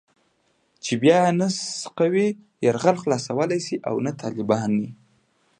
چې بيا يې نه سقوي يرغل خلاصولای شي او نه طالباني.